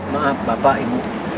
maaf bapak ibu